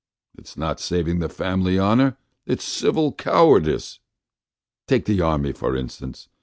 It's not saving the family honour; it's civic cowardice! Take the army, for instance.